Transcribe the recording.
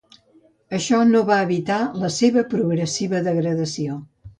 Això no va evitar la seva progressiva degradació.